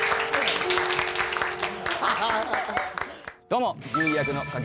どうも。